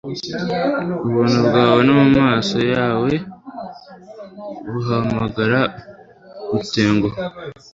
Ubuntu bwawe no mumaso yawe guhamagara gutenguha